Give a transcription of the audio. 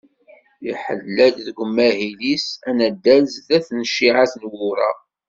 Iḥella-d deg umahil-is anaddal snat n cciεat n wuraɣ.